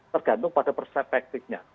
tergantung pada perspektifnya